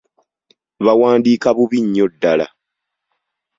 Bawandiika bubi nnyo ddala.